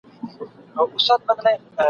وایم ګوندي چي پناه سم !.